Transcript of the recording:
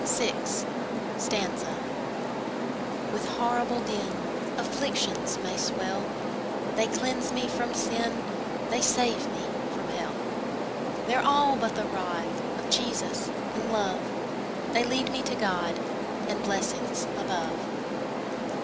VI. With horrible din Afflictions may swell, They cleanse me from sin, They save me from hell: They're all but the rod Of Jesus, in love; They lead me to God And blessings above.